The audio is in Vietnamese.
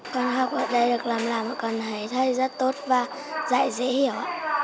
con học ở đây được làm làm mà con thấy thầy rất tốt và dạy dễ hiểu ạ